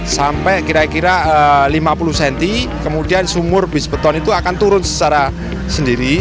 sampai kira kira lima puluh cm kemudian sumur bis beton itu akan turun secara sendiri